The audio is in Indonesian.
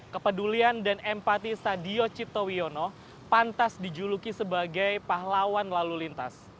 kedulian dan empati sadio cittowiono pantas dijuluki sebagai pahlawan lalu lintas